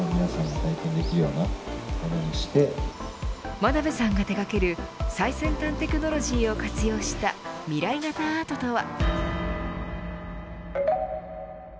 真鍋さんが手掛ける最先端テクノロジーを活用した未来型アートとは。